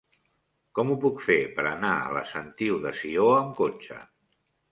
Com ho puc fer per anar a la Sentiu de Sió amb cotxe?